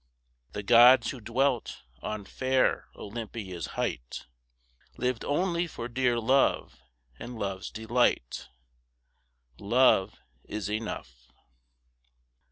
The gods who dwelt on fair Olympia's height Lived only for dear love and love's delight. Love is enough.